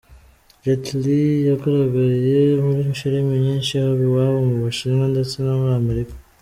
Jet Li yagaragaye muri filime nyinshi haba iwabo mu Bushinwa ndetse no muri Amerika.